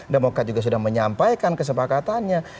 demokrat juga sudah menyampaikan kesepakatannya